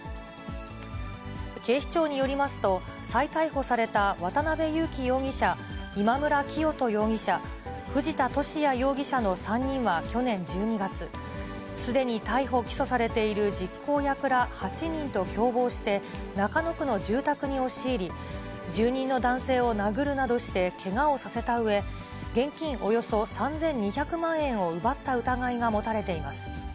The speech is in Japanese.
警視庁によりますと、再逮捕された渡辺優樹容疑者、今村磨人容疑者、藤田聖也容疑者の３人は去年１２月、すでに逮捕・起訴されている実行役ら８人と共謀して、中野区の住宅に押し入り、住人の男性を殴るなどしてけがをさせたうえ、現金およそ３２００万円を奪った疑いが持たれています。